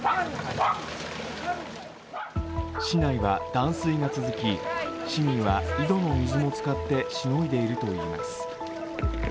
市内は断水が続き市民は井戸の水も使ってしのいでいるといいます。